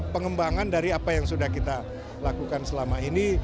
pengembangan dari apa yang sudah kita lakukan selama ini